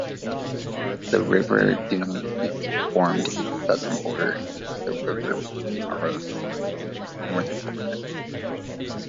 The river Danube formed its southern border, and the river Maros its northern border.